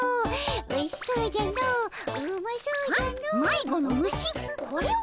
おいしそうじゃのうまそうじゃの。は？